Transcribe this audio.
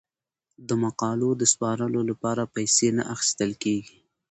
د مقالو د سپارلو لپاره پیسې نه اخیستل کیږي.